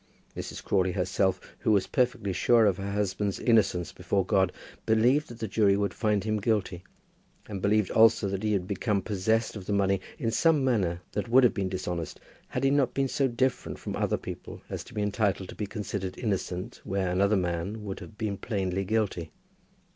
Mrs. Crawley herself, who was perfectly sure of her husband's innocence before God, believed that the jury would find him guilty, and believed also that he had become possessed of the money in some manner that would have been dishonest, had he not been so different from other people as to be entitled to be considered innocent where another man would have been plainly guilty.